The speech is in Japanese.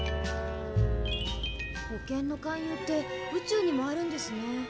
保険の勧誘って宇宙にもあるんですね。